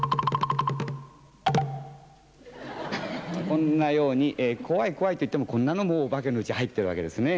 こんなように「コワいコワい」といってもこんなのもお化けのうちに入ってるわけですね。